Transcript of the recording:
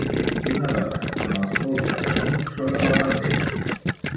Una dona amb els polzes amunt sobre la pendent.